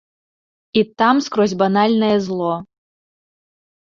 І там скрозь банальнае зло.